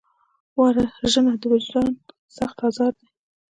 وژنه د وجدان سخت ازار دی